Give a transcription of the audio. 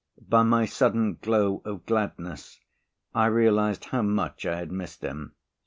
By my sudden glow of gladness I realised how much I had missed him.